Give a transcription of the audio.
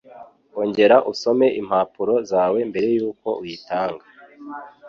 Ongera usome impapuro zawe mbere yuko uyitanga.